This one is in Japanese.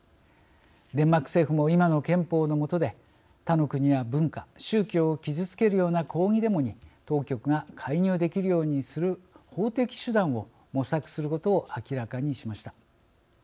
デンマーク政府も今の憲法のもとで他の国や文化宗教を傷つけるような抗議デモに当局が介入できるようにする法的手段を模索することを明らかにしました。